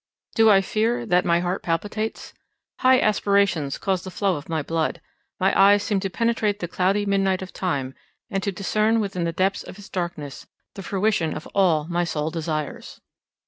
Do I fear, that my heart palpitates? high aspirations cause the flow of my blood; my eyes seem to penetrate the cloudy midnight of time, and to discern within the depths of its darkness, the fruition of all my soul desires.